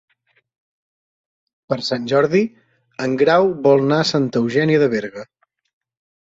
Per Sant Jordi en Grau vol anar a Santa Eugènia de Berga.